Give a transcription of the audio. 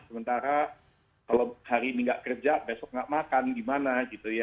sementara kalau hari ini nggak kerja besok nggak makan gimana gitu ya